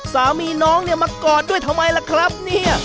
สามีน้องเนี่ยมากอดด้วยทำไมล่ะครับเนี่ย